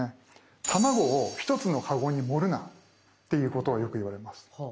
「卵を一つのカゴに盛るな」っていうことをよく言われます。